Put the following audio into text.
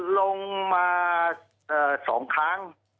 ลงมา๒ครั้ง